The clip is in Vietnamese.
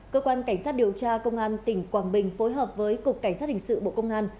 cơ quan cảnh sát điều tra công an tỉnh quảng bình phối hợp với cục cảnh sát hình sự bộ công an